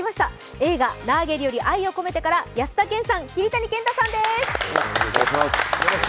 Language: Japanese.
映画「ラーゲリより愛を込めて」から安田顕さん、桐谷健太さんです。